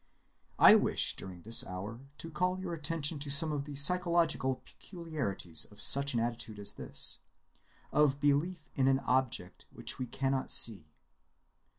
I wish during this hour to call your attention to some of the psychological peculiarities of such an attitude as this, of belief in an object which we cannot see.